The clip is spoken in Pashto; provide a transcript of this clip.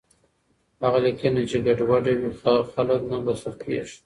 هغه لیکنه چې ګډوډه وي، خلک نه لوستل کېږي.